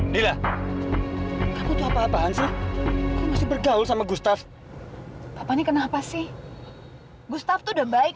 lila kamu tuh apa apaan sih bergaul sama gustaf apa nih kenapa sih gustaf udah baik